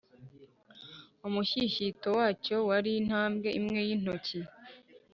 Umushyishyito wacyo wari intambwe imwe y’intoki